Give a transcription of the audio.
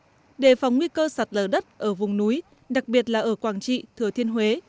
có thể tiếp diễn đề phóng nguy cơ sạt lờ đất ở vùng núi đặc biệt là ở quảng trị thừa thiên huế